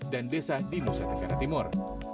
desa di nusa tenggara timur